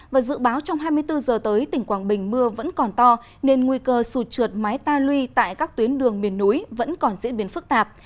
và dự báo trong hai mươi bốn giờ tới tỉnh quảng bình mưa vẫn còn to nên nguy cơ sụt trượt mái ta lui tại các tuyến đường miền núi vẫn còn diễn biến phức tạp